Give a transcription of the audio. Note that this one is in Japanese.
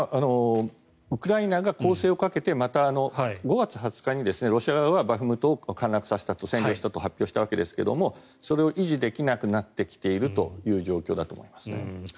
ウクライナが攻勢をかけてまた５月２０日にロシア側はバフムトを陥落させた占領したと発表したわけですがそれを維持できなくなってきているという状況だと思います。